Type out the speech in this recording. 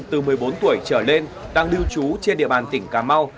từ một mươi bốn tuổi trở lên đang lưu trú trên địa bàn tỉnh cà mau